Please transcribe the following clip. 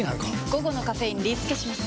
午後のカフェインリスケします！